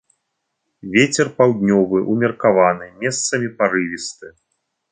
Вецер паўднёвы ўмеркаваны, месцамі парывісты.